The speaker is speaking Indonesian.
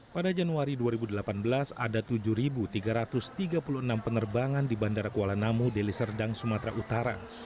pada januari dua ribu delapan belas ada tujuh tiga ratus tiga puluh enam penerbangan di bandara kuala namu deliserdang sumatera utara